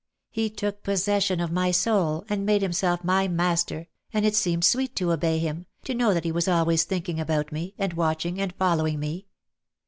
He took possession of my soul, and made himself my master, and it seemed sweet to obey him, to know that he was always thinking about me, and watch ing, and following me.